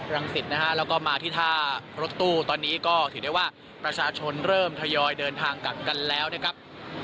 นะฮะแล้วก็มาที่ท่ารถตู้ตอนนี้ก็ถือได้ว่าประชาชนเริ่มทยอยเดินทางกลับกันแล้วนะครับ